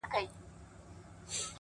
• لاس یې پوري په علاج کړ د مېرمني ,